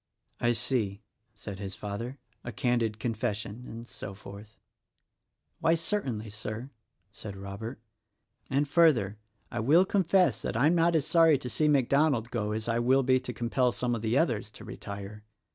"I see!" said his father, " 'a candid confession' — and so forth." "Why, certainly, Sir," said Robert, "and further, I will confess that I'm not as sorry to see MacDonald go as I will be to compel some of the others to retire.